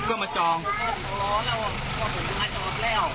บอกว่าผมมาจอดแล้ว